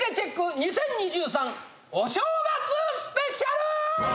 ２０２３お正月スペシャル』！